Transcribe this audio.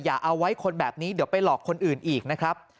อย่าเอาไว้คนแบบนี้เดี๋ยวไปหลอกคนอื่นอีกนะครับ